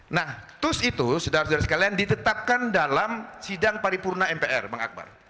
nah tus itu sedara sedara sekalian ditetapkan dalam sidang paripurna mpr bang akbar